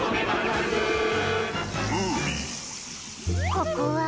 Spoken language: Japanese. ここは？